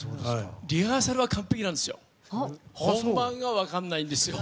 リハーサルは完璧なんですよ。